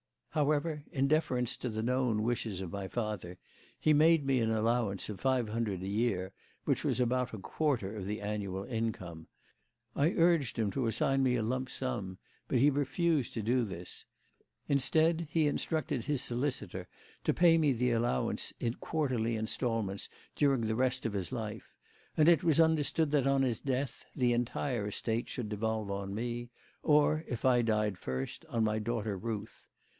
However, in deference to the known wishes of my father, he made me an allowance of five hundred a year, which was about a quarter of the annual income, I urged him to assign me a lump sum, but he refused to do this. Instead, he instructed his solicitor to pay me the allowance in quarterly instalments during the rest of his life; and it was understood that, on his death, the entire estate should devolve on me, or if I died first, on my daughter Ruth.